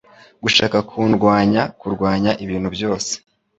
gushaka kundwanya kurwanya ibintu byose